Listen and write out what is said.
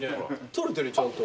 撮れてるよちゃんと。